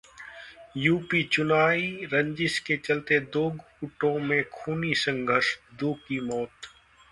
UP चुनावी रंजिश के चलते दो गुटों में खूनी संघर्ष, दो की मौत